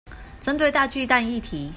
針對大巨蛋議題